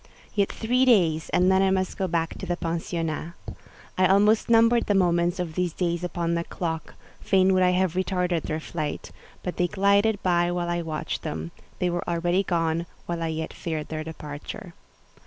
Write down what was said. Yet three days, and then I must go back to the pensionnat. I almost numbered the moments of these days upon the clock; fain would I have retarded their flight; but they glided by while I watched them: they were already gone while I yet feared their departure.